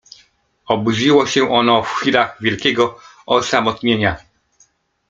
Obudziło się ono w chwilach wielkiego osamotnienia.